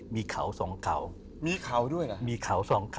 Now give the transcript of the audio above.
มีเขา๒เขา